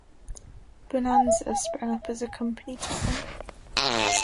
"Bonanza" sprang up as a company town.